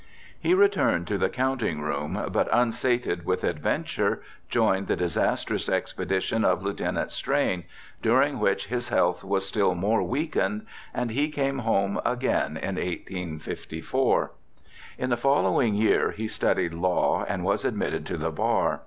He returned to the counting room, but, unsated with adventure, joined the disastrous expedition of Lieutenant Strain, during which his health was still more weakened, and he came home again in 1854. In the following year he studied law and was admitted to the bar.